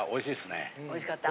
おいしかった。